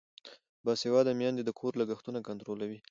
باسواده میندې د کور لګښتونه کنټرولوي.